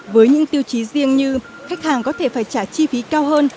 với những tiêu chí riêng như khách hàng có thể phải trả chi phí cao hơn